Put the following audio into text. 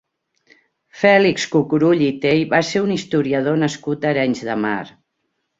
Fèlix Cucurull i Tey va ser un historiador nascut a Arenys de Mar.